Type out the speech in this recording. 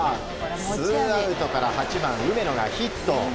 ツーアウトから８番、梅野がヒット。